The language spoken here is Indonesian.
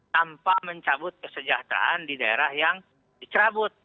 tanpa mencabut kesejahteraan di daerah yang dicerabut